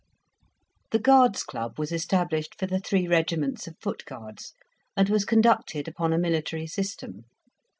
The Guards' Club was established for the three regiments of Foot Guards, and was conducted upon a military system.